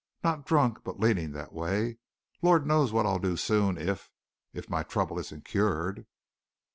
Not drunk, but leaning that way. Lord knows what I'll do soon if if my trouble isn't cured."